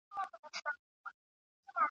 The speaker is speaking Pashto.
مور چي درخانۍ وي، لور به یې ښاپیرۍ وي `